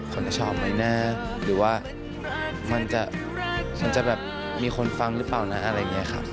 คนจะชอบไหมนะหรือว่ามันจะแบบมีคนฟังหรือเปล่านะอะไรอย่างนี้ครับ